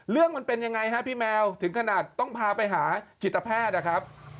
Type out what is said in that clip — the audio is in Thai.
มันเป็นยังไงฮะพี่แมวถึงขนาดต้องพาไปหาจิตแพทย์นะครับ